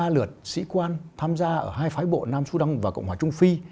ba lượt sĩ quan tham gia ở hai phái bộ nam su đăng và cộng hòa trung phi